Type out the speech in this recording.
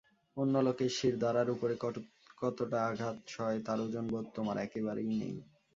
অন্য লোকের শিরদাঁড়ার উপরে কতটা আঘাত সয় তার ওজনবোধ তোমার একেবারেই নেই।